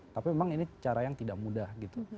tapi memang ini cara yang tidak mudah gitu